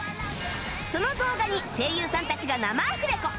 その動画に声優さんたちが生アフレコ！